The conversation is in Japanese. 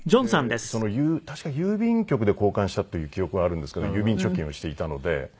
で確か郵便局で交換したという記憶はあるんですけど郵便貯金をしていたので。